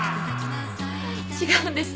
違うんです。